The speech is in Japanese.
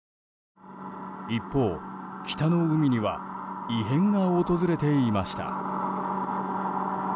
一方、北の海には異変が訪れていました。